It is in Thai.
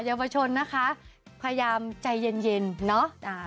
อย่ามาชนนะคะพยายามใจเย็นเนอะ